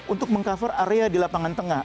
untuk meng cover area di lapangan tengah